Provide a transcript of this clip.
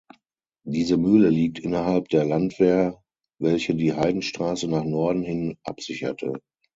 Diese Mühle liegt innerhalb der Landwehr, welche die Heidenstraße nach Norden hin absicherte.